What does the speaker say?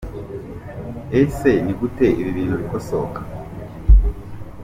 Ese ni gute ibi bintu bikosoka?.